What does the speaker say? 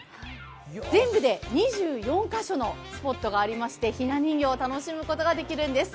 全部で２４か所のスポットがありましてひな人形を楽しむことができるんです。